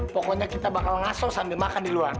pokoknya kita bakal ngaso sambil makan di luar